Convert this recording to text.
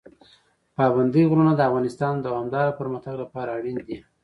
پابندی غرونه د افغانستان د دوامداره پرمختګ لپاره اړین دي.